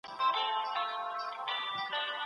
اكثره وخت بيا پر دا بل مخ واوړي